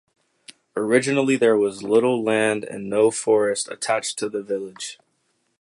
Originally there was little land and no forests attached to the village.